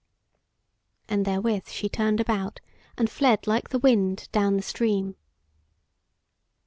And therewith she turned about and fled like the wind down the stream.